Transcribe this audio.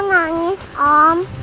ini makanan cliff textbooks